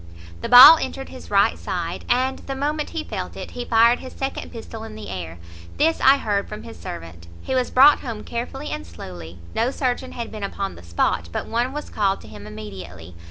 "The ball entered his right side, and the moment he felt it, he fired his second pistol in the air. This I heard from his servant. He was brought home carefully and slowly; no surgeon had been upon the spot, but one was called to him immediately.